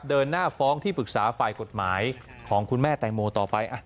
เดินหน้าฟ้องที่ปรึกษาฝ่ายกฎหมายของคุณแม่แตงโมต่อไป